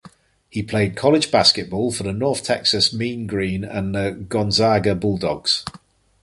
He played college basketball for the North Texas Mean Green and the Gonzaga Bulldogs.